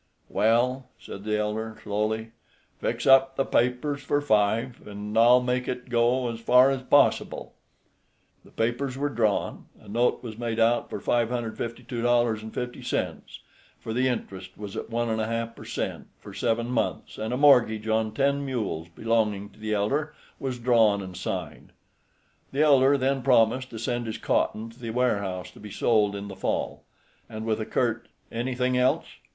"Well," said the elder, slowly, "fix up the papers for five, an' I'll make it go as far as possible." The papers were drawn. A note was made out for $552.50, for the interest was at one and a half per cent. for seven months, and a mortgage on ten mules belonging to the elder was drawn and signed. The elder then promised to send his cotton to the warehouse to be sold in the fall, and with a curt "Anything else?"